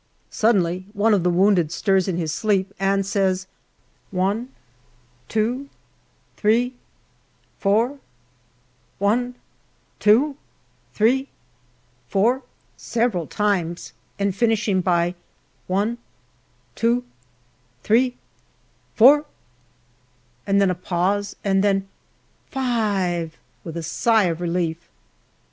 Suddenly one of the wounded stirs in his sleep and says " One, two, three, four ; one, two, three, four," several times, and finishing by " One, two, three, four," and then a pause, and then " Five," said with a sigh of relief.